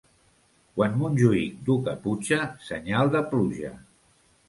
Quan Montjuïc duu caputxa, senyal de pluja.